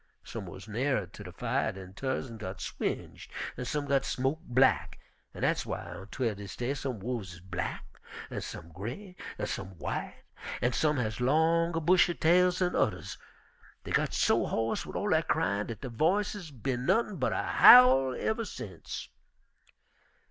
Some wuz nearer ter de fire dan tu'rrs an' got swinged, an' some got smoked black, an' dat w'y, ontwel dis day, some wolfs is black an' some gray an' some white, an' some has longer, bushier tails dan tu'rrs. Dey got so hoarse wid all dat cryin' dat der voices bin nuttin' but a howl uver sence.